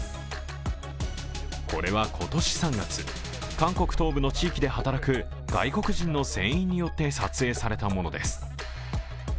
これば今年３月、韓国東部の地域で働く外国人の船員によって撮影されたものです。